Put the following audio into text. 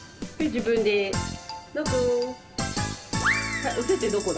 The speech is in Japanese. はいおててどこだ？